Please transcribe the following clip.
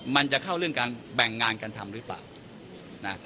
มันจะเข้าเรื่องการแบ่งงานการทำหรือเปล่านะ